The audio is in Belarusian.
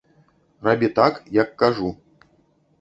Рабі так, як кажу.